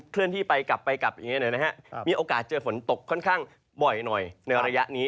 เลื่อนที่ไปกลับไปกลับอย่างนี้มีโอกาสเจอฝนตกค่อนข้างบ่อยหน่อยในระยะนี้